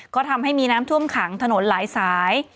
ก็ทำให้มีน้ำท่วมขังถนนหลายสาย